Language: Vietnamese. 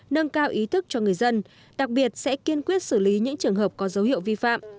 nâng cao ý thức cho người dân đặc biệt sẽ kiên quyết xử lý những trường hợp có dấu hiệu vi phạm